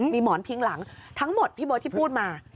มีหมอนพิงหลังทั้งหมดพี่เบิร์ตที่พูดมา